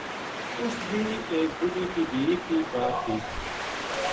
اس دینہ ایک بڈھی کی دھی کی بار تھی